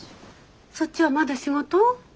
そっちはまだ仕事？